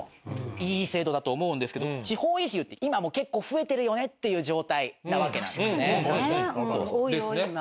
いい制度だと思うんですけど地方移住って今もう結構増えてるよねっていう状態なわけなんですね。